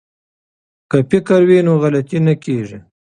که فکر وي نو غلطي نه کیږي.